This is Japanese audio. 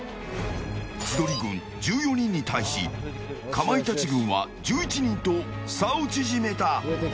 千鳥軍１４人に対しかまいたち軍は１１人と差を縮めた。